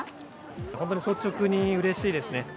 本当に率直にうれしいですね。